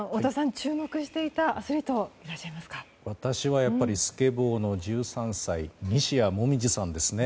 注目していたアスリート私はスケボーの１３歳西矢椛さんですね。